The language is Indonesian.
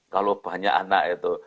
kalau banyak anak itu